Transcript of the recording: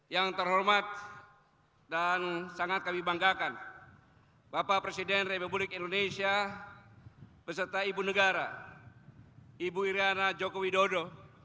yang terhormat dan sangat kami banggakan bapak presiden republik indonesia beserta ibu negara ibu iryana joko widodo